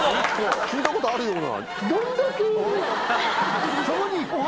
聞いたことあるような。